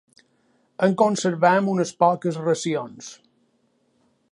En conservem unes poques racions.